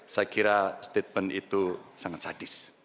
saya kira statement itu sangat sadis